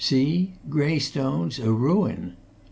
"See grey stones a ruin!"